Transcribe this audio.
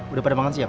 udah pada makan siap